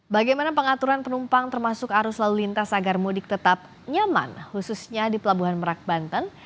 bagaimana pengaturan penumpang termasuk arus lalu lintas agar mudik tetap nyaman khususnya di pelabuhan merak banten